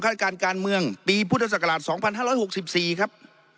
ฆาตการณ์การเมืองปีพุทธศักราชสองพันห้าร้อยหกสิบสี่ครับ